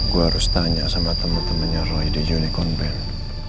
gue harus tanya sama temen temennya roy di unicorn band